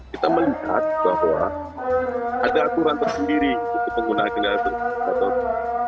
kita melihat bahwa ada aturan tersendiri untuk penggunaan kendaraan bermotor